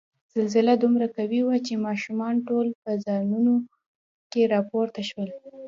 زلزله دومره قوي وه چې ماشومان ټول په ځایونو کې را پورته شول.